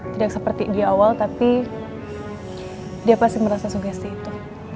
tidak seperti di awal tapi dia pasti merasa sugesti itu